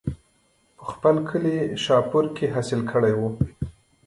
پۀ خپل کلي شاهپور کښې حاصل کړے وو